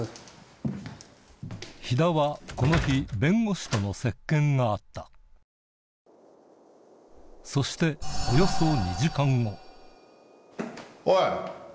田はこの日弁護士との接見があったそしておよそおい。